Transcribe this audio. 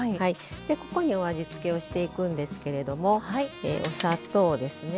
ここに、お味付けをしていくんですけれどもお砂糖ですね。